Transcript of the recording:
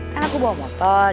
kan aku bawa motor